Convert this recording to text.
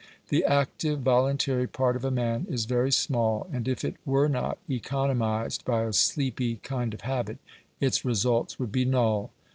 The active voluntary part of a man is very small, and if it were not economised by a sleepy kind of habit, its results would be null.